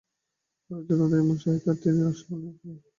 পরে একজন উদ্যানবিদের সহায়তা নিয়ে নকশা প্রণয়ন করে মায়াবন গড়ে তোলেন।